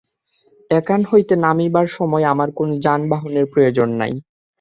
এখান হইতে নামিবার সময় আমার কোন যানবাহনের প্রয়োজন নাই।